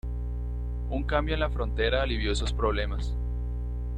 Un cambio en la frontera alivió esos problemas.